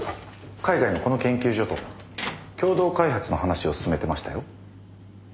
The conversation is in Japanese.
海外のこの研究所と共同開発の話を進めてましたよ。